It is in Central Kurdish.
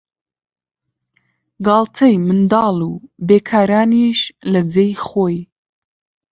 گاڵتەی منداڵ و بیکارانیش لە جێی خۆی